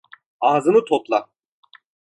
Ağzını topla!